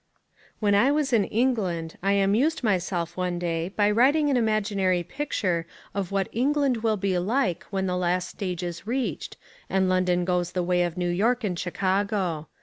When I was in England I amused myself one day by writing an imaginary picture of what England will be like when the last stage is reached and London goes the way of New York and Chicago.